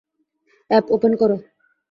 App open করো।